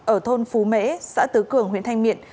ở thôn phú mễ xã tứ cường huyện thanh miện